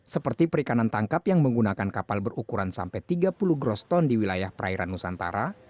seperti perikanan tangkap yang menggunakan kapal berukuran sampai tiga puluh groston di wilayah perairan nusantara